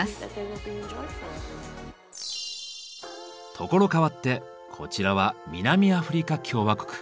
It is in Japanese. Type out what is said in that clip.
所変わってこちらは南アフリカ共和国。